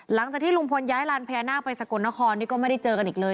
หลังจากที่ลุงพลย้ายลานพญานาคไปสกลนครนี่ก็ไม่ได้เจอกันอีกเลย